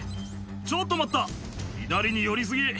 「ちょっと待った左に寄り過ぎ」